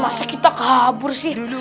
masa kita kabur sih